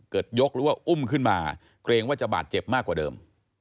ยกหรือว่าอุ้มขึ้นมาเกรงว่าจะบาดเจ็บมากกว่าเดิม